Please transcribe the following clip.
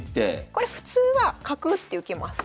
これ普通は角打って受けます。